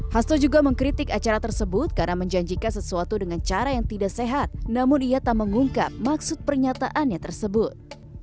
hasto juga mengkritik acara tersebut karena menjanjikan sesuatu dengan cara yang tidak sehat namun ia tak mengungkap maksud pernyataannya tersebut